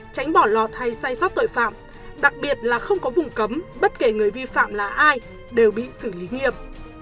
tránh bỏ lọt hay sai sót tội phạm đặc biệt là không có vùng cấm bất kể người vi phạm là ai đều bị xử lý nghiêm